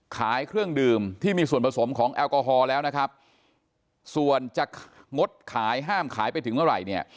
ขายเครื่องดื่มที่มีส่วนผสมของแอลกอฮอล์แล้วนะครับส่วนจะงดขายห้ามขายไปถึงเมื่อไหร่เนี่ย